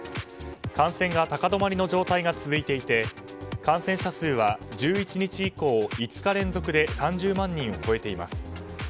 感染が高止まりの状態が続いていて感染者数は１１日以降５日連続で３０万人を超えています。